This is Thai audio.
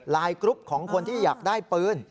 กรุ๊ปของคนที่อยากได้ปืน